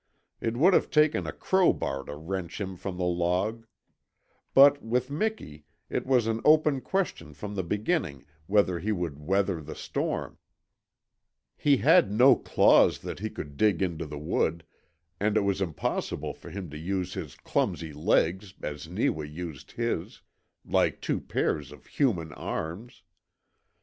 It would have taken a crowbar to wrench him from the log. But with Miki it was an open question from the beginning whether he would weather the storm. He had no claws that he could dig into the wood, and it was impossible for him to use his clumsy legs as Neewa used his like two pairs of human arms.